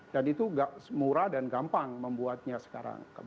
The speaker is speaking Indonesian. dan itu gak murah dan gampang membuatnya sekarang